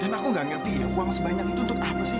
dan aku gak ngerti uang sebanyak itu untuk apa sih